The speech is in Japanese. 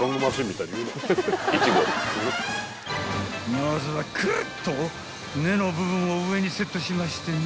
［まずはくるっと根の部分を上にセットしましてね］